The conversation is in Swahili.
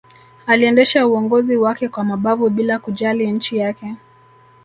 aliendesha uongozi wake kwa mabavu bila kujali nchi yake